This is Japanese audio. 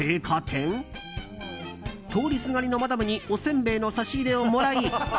通りすがりのマダムにおせんべいの差し入れをもらい